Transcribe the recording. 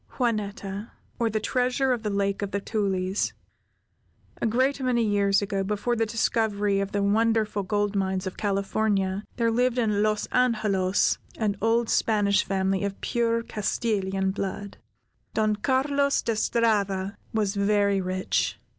JUANETTA; OR, THE TREASURE OF THE LAKE OF THE TULIES A great many years ago, before the discovery of the wonderful gold mines of California, there lived in Los Angelos an old Spanish family of pure Castilian blood. Don Carlos De Strada was very rich.